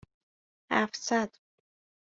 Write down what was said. هفتصد